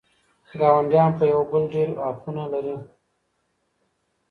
ګاونډيان په يوه بل ډېر حقونه لري.